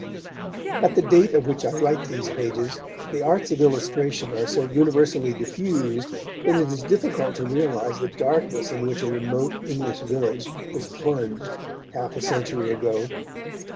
At the date of which I write these pages, the arts of illustration are so universally diffused that it is difficult to realize the darkness in which a remote English village was plunged half a century ago.